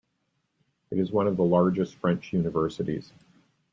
It is one of the largest French universities.